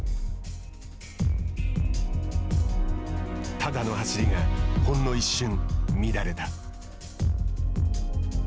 多田の走りがほんの一瞬、乱れた。